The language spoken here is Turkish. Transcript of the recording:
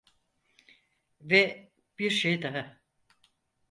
Ve bir şey daha…